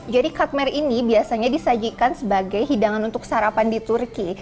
jadi katmer ini biasanya disajikan sebagai hidangan untuk sarapan di turki